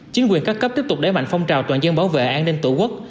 chính quyền các cấp tiếp tục đẩy mạnh phong trào toàn dân bảo vệ an ninh tổ quốc